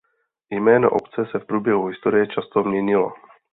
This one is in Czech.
Jméno obce se v průběhu historie často měnilo.